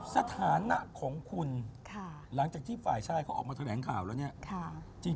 สถานะของคุณหลังจากที่ฝ่ายชายเขาออกมาแถลงข่าวแล้วเนี่ย